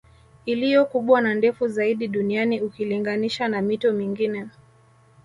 Iliyo kubwa na ndefu zaidi duniani ukilinganisha na mito mingine